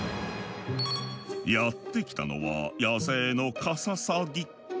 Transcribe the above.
やって来たのは野生のカササギ。